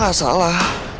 gue gak salah